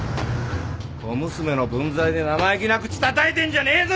小娘の分際で生意気な口たたいてんじゃねえぞ！